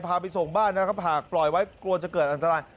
พาไปส่งบ้านนะครับหากปล่อยไว้กลัวจะเกิดอันตราย